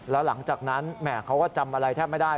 แล้วหลังจากนั้นแหมเขาก็จำอะไรแทบไม่ได้